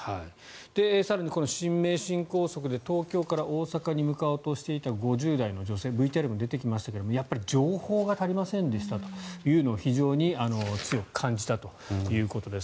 更に新名神高速で東京から大阪に向かおうとしていた５０代の女性ＶＴＲにも出てきましたがやっぱり情報が足りませんでしたというのを非常に強く感じたということです。